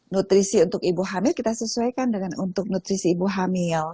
nutrisi untuk ibu hamil kita sesuaikan dengan untuk nutrisi ibu hamil